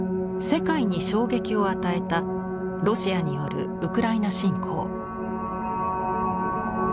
世界に衝撃を与えたロシアによるウクライナ侵攻。